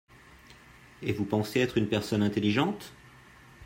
Et vous pensez être une personne intelligente ?